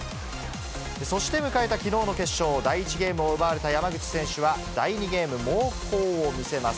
そして迎えたきのうの決勝、第１ゲームを奪われた山口選手は、第２ゲーム猛攻を見せます。